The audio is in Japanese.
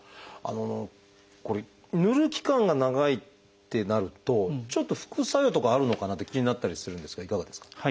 これぬる期間が長いってなるとちょっと副作用とかあるのかなって気になったりするんですがいかがですか？